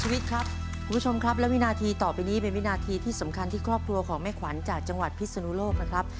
วันนี้เป็นวินาทีที่สำคัญที่ครอบครัวของแม่ขวัญจากจังหวัดพิษนุโลกนะครับ